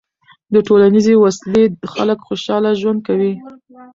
د ټولنیزې وصلۍ خلک خوشحاله ژوند کوي.